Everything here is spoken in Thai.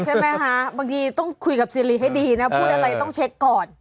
ใช่ไหมคะบางทีต้องคุยกับซีรีสให้ดีนะพูดอะไรต้องเช็คก่อน